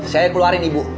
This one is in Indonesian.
saya keluarin ibu